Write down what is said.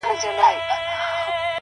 • گراني چي د ټول كلي ملكه سې؛